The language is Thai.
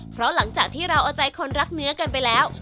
เพราะหลังจากที่เราเอาใจคนรักเนื้อกันไปแล้ว